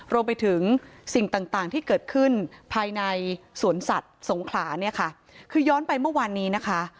รวมไปถึงสิ่งต่างที่เกิดขึ้นภายในสวนสัตว์สงขลาเนี่ยค่ะคือย้อนไปเมื่อวานนี้นะคะ